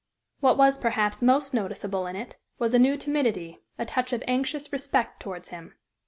What was, perhaps, most noticeable in it was a new timidity, a touch of anxious respect towards him.